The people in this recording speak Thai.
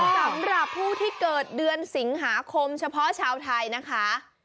สำหรับผู้ที่เกิดเดือนสิงหาคมเฉพาะชาวไทยนะคะ